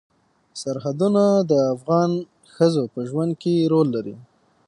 سرحدونه د افغان ښځو په ژوند کې رول لري.